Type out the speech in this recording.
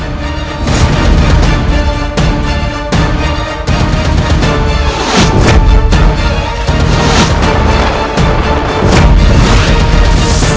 ini masih tidak apa apa